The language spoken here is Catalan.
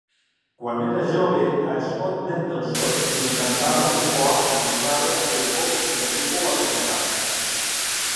Quan era jove, a Scot Mendelson li encantava l'esport i jugava a beisbol i a futbol americà.